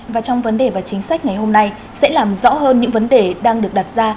và trong vấn đề và chính sách ngày hôm nay sẽ làm rõ hơn những vấn đề đang được đặt ra